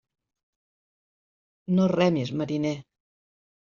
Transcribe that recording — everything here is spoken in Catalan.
No remis, mariner.